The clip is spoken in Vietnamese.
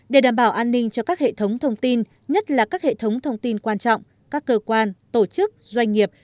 để đảm bảo an ninh cho các hệ thống thông tin nhất là các hệ thống thông tin quan trọng các cơ quan tổ chức doanh nghiệp